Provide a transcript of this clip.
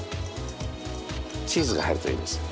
チーズが入るといいです。